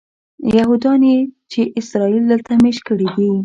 یهودیان چې اسرائیل دلته مېشت کړي دي.